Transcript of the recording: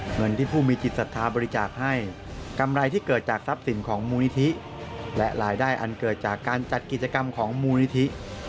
เงินที่ผู้มีจิตศรัทธาบริจาคให้กำไรที่เกิดจากทรัพย์สินของมูลนิธิและรายได้อันเกิดจากการจัดกิจกรรมของมูลนิธิ